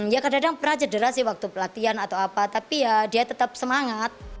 ya kadang kadang pernah cedera sih waktu pelatihan atau apa tapi ya dia tetap semangat